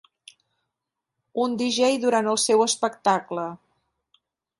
Un DJ durant el seu espectacle